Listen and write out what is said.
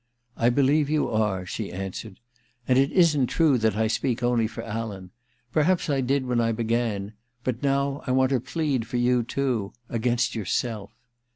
* I believe you are/ she answered. *And it isn't true that I speak only for Alan. Perhaps I did when I began ; but now I want to plead for you too — a^inst yourself.'